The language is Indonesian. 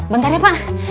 bentar ya pak